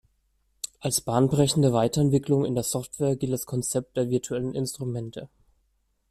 Als bahnbrechende Weiterentwicklung in der Software gilt das Konzept der virtuellen Instrumente.